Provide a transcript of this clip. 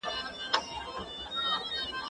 زه انځورونه نه رسم کوم!!